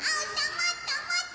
もっともっと！